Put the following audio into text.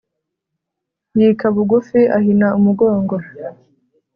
Yika bugufi ahina umugongo